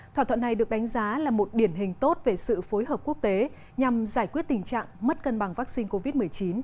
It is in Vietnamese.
thỏa thuận này được đánh giá là một điển hình tốt về sự phối hợp quốc tế nhằm giải quyết tình trạng mất cân bằng vaccine covid một mươi chín